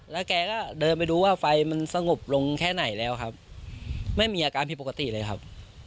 แล้วแกก็เดินไปดูว่าไฟมันสงบลงแค่ไหนแล้วครับไม่มีอาการผิดปกติเลยครับ